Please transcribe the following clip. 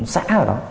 xã ở đó